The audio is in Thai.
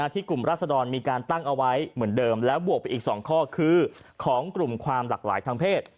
กลุ่มรัศดรมีการตั้งเอาไว้เหมือนเดิมแล้วบวกไปอีก๒ข้อคือของกลุ่มความหลากหลายทางเพศ